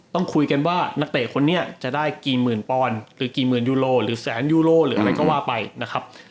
ต้องคุยกันว่านักเตะคนนี้จะได้กี่หมื่นปอนด์หรือกี่หมื่นยูโรหรือแสนยูโรหรืออะไรก็ว่าไปนะครับ